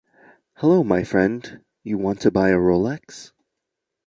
Hello my friend, you want to buy a Rolex?